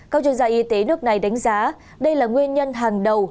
các chuyên gia y tế nước này đánh giá đây là nguyên nhân hàng đầu